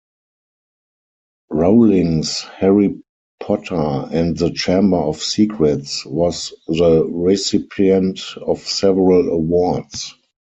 Rowling's "Harry Potter and the Chamber of Secrets" was the recipient of several awards.